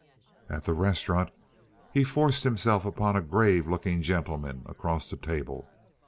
At the restaurant he forced himself upon a grave looking gentleman across the table.